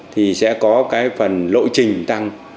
thì sẽ có cái phần lộ trình tăng